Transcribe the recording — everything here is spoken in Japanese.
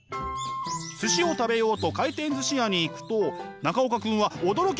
寿司を食べようと回転寿司屋に行くと中岡くんは驚きの光景を目にしました！